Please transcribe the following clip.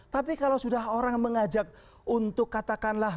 tapi kalau sudah orang mengajak untuk katakanlah